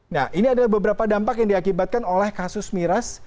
nah ini adalah beberapa dampak yang diakibatkan oleh kasus miras